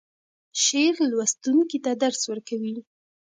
شعر لوستونکی ته درس ورکوي.